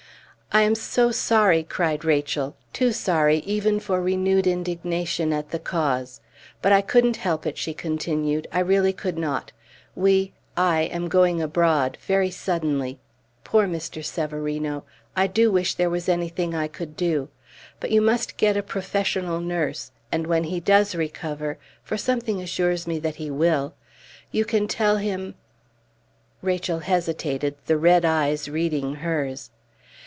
"I am so sorry!" cried Rachel, too sorry even for renewed indignation at the cause. "But I couldn't help it," she continued, "I really could not. We I am going abroad very suddenly. Poor Mr. Severino! I do wish there was anything I could do! But you must get a professional nurse. And when he does recover for something assures me that he will you can tell him " Rachel hesitated, the red eyes reading hers.